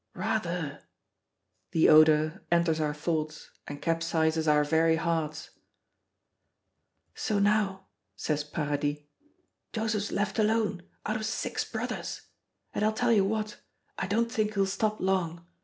"Rather!" The odor enters our thoughts and capsizes our very hearts. "So now," says Paradis, "Joseph's left alone, out of six brothers. And I'll tell you what I don't think he'll stop long.